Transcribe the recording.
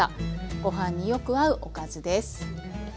ご飯によく合うおかずです。